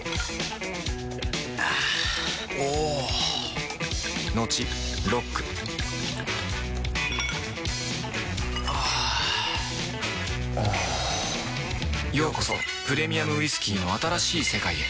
あぁおぉトクトクあぁおぉようこそプレミアムウイスキーの新しい世界へ